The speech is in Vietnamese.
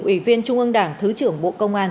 ủy viên trung ương đảng thứ trưởng bộ công an